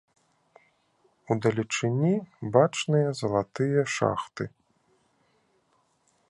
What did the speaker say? Удалечыні бачныя залатыя шахты.